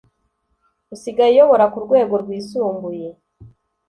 usigaye uyobora ku Rwego Rwisumbuye.